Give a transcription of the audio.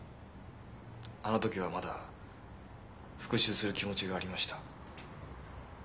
あの時はまだ復讐する気持ちがありました。